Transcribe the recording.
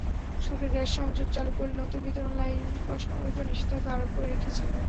সরকার গ্যাসসংযোগ চালু করলেও নতুন বিতরণ লাইন বসানোর ওপর নিষেধাজ্ঞা আরোপ করে রেখেছে।